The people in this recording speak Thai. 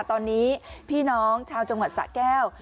ตอนนี้พี่น้องชาวจังหวัดสะแก้ว